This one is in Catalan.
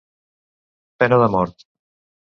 Pena de mort.